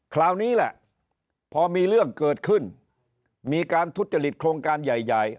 คราวนี้แหละพอมีเรื่องเกิดขึ้นมีการทุจริตโครงการใหญ่